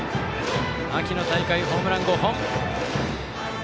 秋の大会、ホームラン５本。